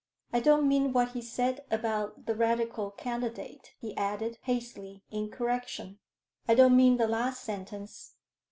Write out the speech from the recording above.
"I don't mean what he said about the Radical candidate," he added, hastily, in correction. "I don't mean the last sentence.